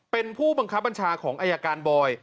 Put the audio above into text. เป็นผู้บังคับบัญชาของอายการบอย